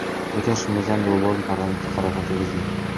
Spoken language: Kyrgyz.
Бекешев мыйзам долбоорун парламентке кароого киргизди.